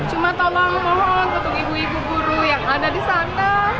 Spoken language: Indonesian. cuma tolong mohon untuk ibu ibu guru yang ada di sana